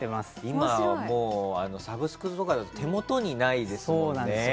今、サブスクとかだと手元にないですもんね。